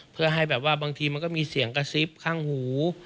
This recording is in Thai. เพื่อให้แบบว่าบางทีมันก็มีเสียงกระซิบข้างหู